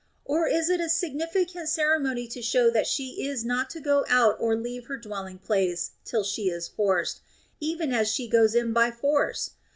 Or is it a significant ceremony to show that she is not to go out or leave her dwelling place till she is forced, even as she goes in by force